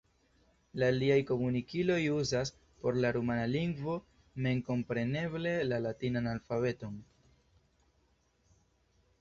La aliaj komunikiloj uzas por la rumana lingvo memkompreneble la latinan alfabeton.